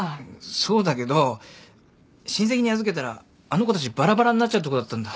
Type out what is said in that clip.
そうだけど親戚に預けたらあの子たちばらばらになっちゃうとこだったんだ。